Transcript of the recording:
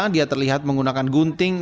dia terlihat menggunakan gunting